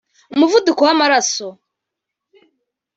umuvuduko w’amaraso